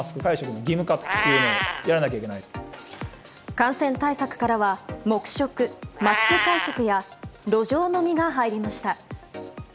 感染対策からは黙食マスク会食や路上飲みが入りました。